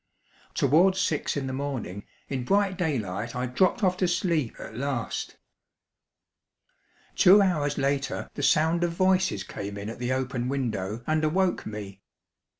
Towards six in the morning, in bright daylight, I dropped off to sleep at last. Two hours later the sound of voices came in at the open window and awoke me.